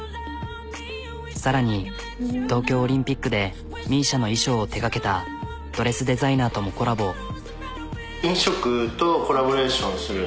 さらに東京オリンピックでＭＩＳＩＡの衣装を手がけたドレスデザイナーともコラボ。